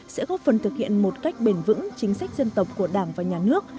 sẽ góp phần thực hiện một cách bền vững chính sách dân tộc của đảng và nhà nước